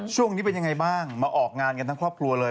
ช่วงนี้เป็นยังไงบ้างมาออกงานกันทั้งครอบครัวเลย